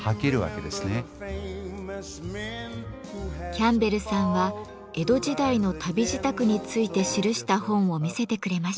キャンベルさんは江戸時代の旅仕度について記した本を見せてくれました。